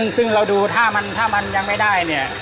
ซึ่งเราดูถ้ามันยังไม่ได้เนี่ย